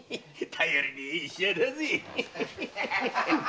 頼りねえ医者だぜ！